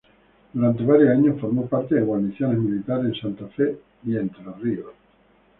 Durante varios años formó parte de guarniciones militares en Santa Fe y Entre Ríos.